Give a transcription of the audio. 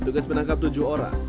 tugas menangkap tujuh orang